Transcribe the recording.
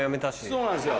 そうなんですよ。